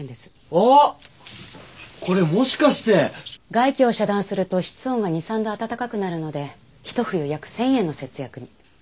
外気を遮断すると室温が２３度暖かくなるのでひと冬約１０００円の節約に。